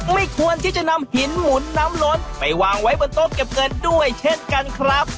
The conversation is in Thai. ไม่ควรที่จะนำหินหมุนน้ำล้นไปวางไว้บนโต๊ะเก็บเงินด้วยเช่นกันครับ